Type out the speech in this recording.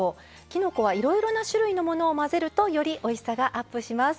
きのこはいろいろな種類のものを混ぜるとよりおいしさがアップします。